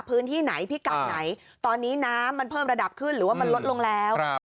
พื้นที่ไหนพิกัดไหนตอนนี้น้ำมันเพิ่มระดับขึ้นหรือว่ามันลดลงแล้ว